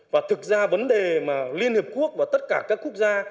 và thực ra vấn đề mà liên hiệp quốc và tất cả các quốc gia